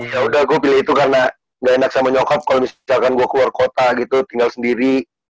yaudah gua pilih itu karena ga enak sama nyokap kalau misalkan gua keluar kota gitu tinggal sendiri